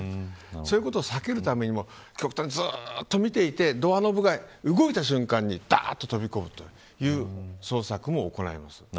そういうことを避けるためにもずっと見ていてドアノブが動いた瞬間にだーっと飛び込むという捜索も行います。